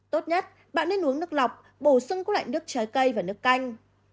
tốt nhất bạn nên uống nước lọc bổ sung cũng lại nước trái cây và nước canh